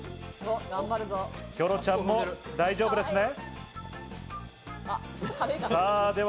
キョロちゃんも大丈夫ですね？